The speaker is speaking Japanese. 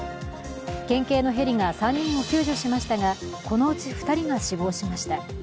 県警のヘリが３人を救助しましたがこのうち２人が死亡しました。